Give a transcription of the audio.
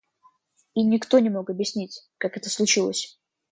И никто не мог объяснить, как это случилось.